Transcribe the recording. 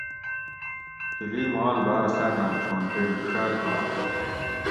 تِھلی مال باۤر ساتاں چھون تے ڛِڛال آش